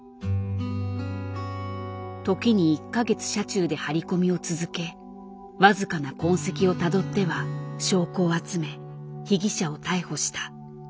時に１か月車中で張り込みを続け僅かな痕跡をたどっては証拠を集め被疑者を逮捕した。